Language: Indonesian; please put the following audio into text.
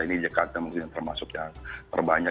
ini dekatnya mungkin termasuk yang terbanyak